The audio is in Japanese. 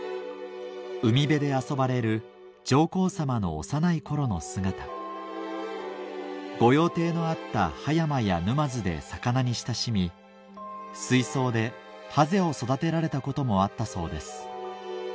海辺で遊ばれる上皇さまの幼い頃の姿御用邸のあった葉山や沼津で魚に親しみ水槽でハゼを育てられたこともあったそうです